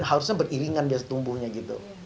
harusnya beriringan biasanya tumbuhnya gitu